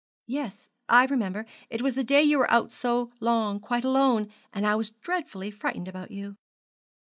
'Yes, I remember it was the day you were out so long quite alone; and I was dreadfully frightened about you.'